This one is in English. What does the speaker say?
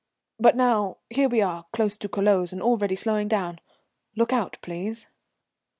But now, here we are, close to Culoz and already slowing down. Look out, please."